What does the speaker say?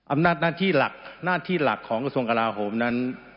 อำนาจหน้าที่หลักหน้าที่หลักของกระทรวงกลาโหมนั้น